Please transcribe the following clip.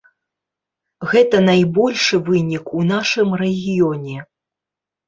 Гэта найбольшы вынік у нашым рэгіёне.